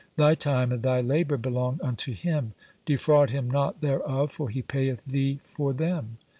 Thy time and thy labour belong unto him. Defraud him not thereof, for he payeth thee for them."